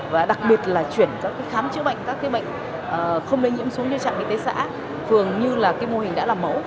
và đặc biệt là chuyển các khám chữa bệnh các bệnh không lây nhiễm xuống như trạm y tế xã thường như mô hình đã làm mẫu